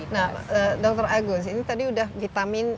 nah dr agus ini tadi udah vitamin